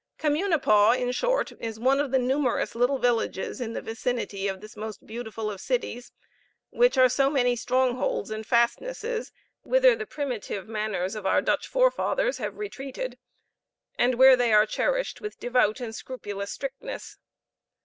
Communipaw, in short, is one of the numerous little villages in the vicinity of this most beautiful of cities, which are so many strongholds and fastnesses whither the primitive manners of our Dutch forefathers have retreated, and where they are cherished with devout and scrupulous strictness.